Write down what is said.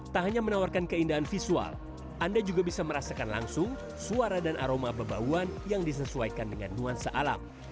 tak hanya menawarkan keindahan visual anda juga bisa merasakan langsung suara dan aroma bebauan yang disesuaikan dengan nuansa alam